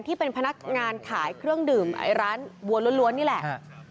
ที่เป็นพนักงานขายเครื่องดื่มไอ้ร้านวัวล้วนนี่แหละ